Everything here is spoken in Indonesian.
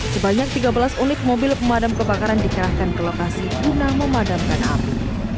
sebanyak tiga belas unit mobil pemadam kebakaran dikerahkan ke lokasi guna memadamkan api